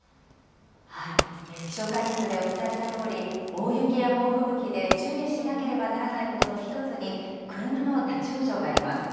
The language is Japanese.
気象解説でお伝えしたとおり、大雪や猛吹雪で注意しなければならないことの１つに、車の立往生があります。